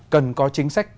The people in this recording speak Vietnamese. cần có chính sách